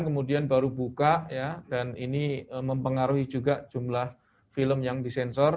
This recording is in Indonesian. kemudian baru buka dan ini mempengaruhi juga jumlah film yang disensor